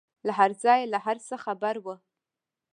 له هرځايه له هرڅه خبره وه.